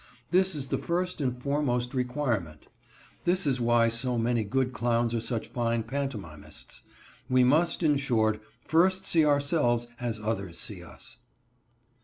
This is the first and foremost requirement. This is why so many good clowns are such fine pantomimists. We must, in short, first see ourselves as others see us.